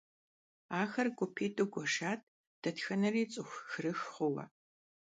Ахэр гупитIу гуэшат, дэтхэнэри цIыху хырых хъууэ.